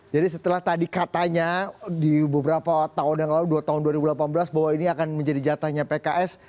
jadi setelah tadi katanya di beberapa tahun yang lalu dua tahun dua ribu delapan belas bahwa ini akan menjadi jatahnya pks